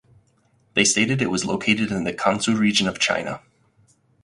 They stated it was located in the Kansu region of China.